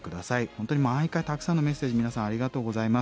本当に毎回たくさんのメッセージ皆さんありがとうございます。